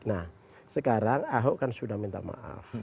nah sekarang ahok kan sudah minta maaf